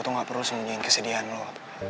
lo tuh gak perlu sembunyiin kesedihan lo